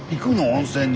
温泉に。